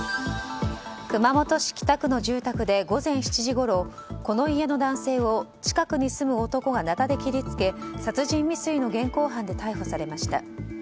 熊本市北区の住宅で午前７時ごろこの家の男性を、近くに住む男がなたで切りつけ、殺人未遂の現行犯で逮捕されました。